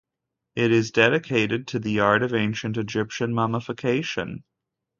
It is dedicated to the art of Ancient Egyptian mummification.